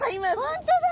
本当だ！